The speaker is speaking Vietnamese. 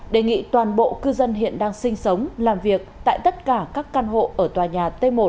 đề nghị toàn bộ cư dân hiện đang sinh sống làm việc tại tất cả các căn hộ ở tòa nhà t một